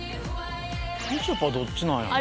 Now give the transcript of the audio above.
みちょぱどっちなんやろう？